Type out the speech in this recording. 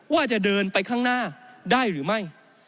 ว่าจะเดินไปข้างหน้าได้หรือไม่